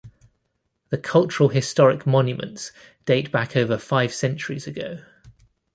The cultural-historic monuments date back over five centuries ago.